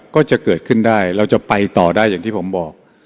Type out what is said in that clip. ก็จะเกิดขึ้นได้เราจะไปต่อได้อย่างที่ผมบอก